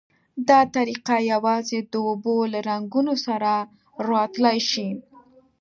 دا طریقه یوازې د اوبو له رنګونو سره را تلای شي.